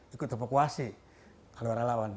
ikut evakuasi kalau relawan